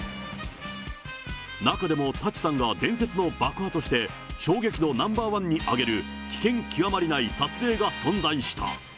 中でも舘さんが伝説の爆破として、衝撃度ナンバー１に挙げる、危険極まりない撮影が存在した。